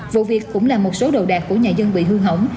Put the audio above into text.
vụ việc cũng làm một số đồ đạc của nhà dân bị hư hỏng